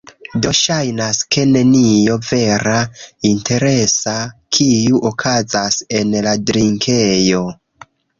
Do, ŝajnas, ke nenio vera interesa, kiu okazas en la drinkejo